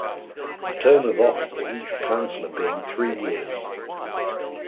The term of office for each Councillor being three years.